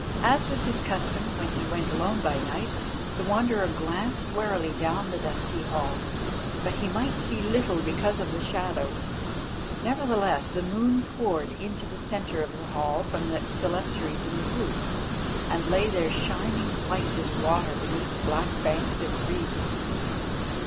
As was his custom when he went alone by night, the Wanderer glanced warily down the dusky hall, but he might see little because of the shadows. Nevertheless, the moonlight poured into the centre of the hall from the clerestories in the roof, and lay there shining white as water beneath black banks of reeds.